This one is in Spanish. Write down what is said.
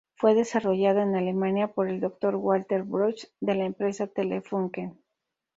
Fue desarrollado en Alemania por el Dr. Walter Bruch de la empresa Telefunken.